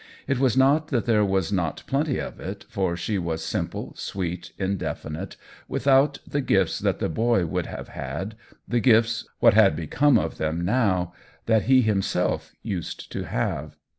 It was not that there was not plenty of it, for she was simple, sweet, indefinite, without the gifts that the boy would have had, the gifts — what had become of them now ?— that he himself used to have.